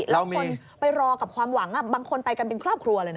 แล้วคนไปรอกับความหวังบางคนไปกันเป็นครอบครัวเลยนะ